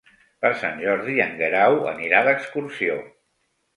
Per Sant Jordi en Guerau anirà d'excursió.